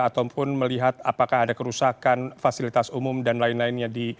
ataupun melihat apakah ada kerusakan fasilitas umum dan lain lainnya